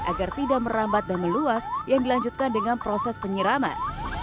agar tidak merambat dan meluas yang dilanjutkan dengan proses penyiraman